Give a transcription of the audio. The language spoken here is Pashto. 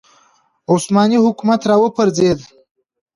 عثماني حکومت راوپرځېد